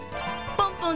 ポンポン。